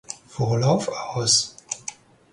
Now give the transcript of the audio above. Vorlauf aus.